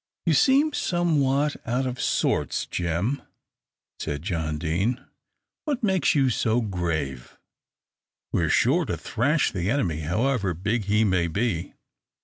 "You seem somewhat out of spirits, Jem!" said John Deane. "What makes you so grave? we're sure to thrash the enemy, however big he may be."